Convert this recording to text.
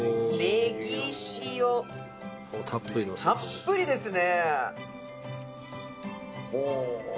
たっぷりですね。